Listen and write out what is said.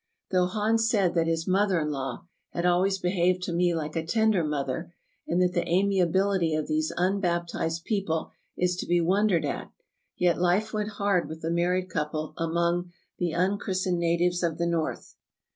Though Hans said that his mother in law "had al ways behaved to me like a tender mother," and that the amiability of these unbaptized people is to be won dered at," yet life went hard with the married couple among "the unchristened natives of the North."